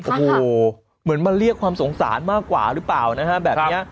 โอ้โหเหมือนมาเรียกความสงสารมากกว่าหรือเปล่านะฮะแบบนี้